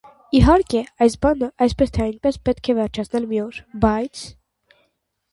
- Իհարկե, այս բանը, այսպես թե այնպես, պետք է վերջացնել մի օր, բայց…